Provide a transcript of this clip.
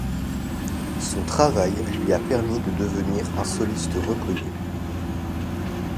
Son travail lui a permis de devenir un soliste reconnu.